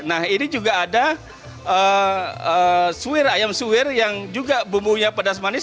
nah ini juga ada suwir ayam suwir yang juga bumbunya pedas manis